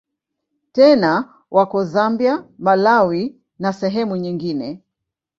Tena wako Zambia, Malawi na sehemu nyingine.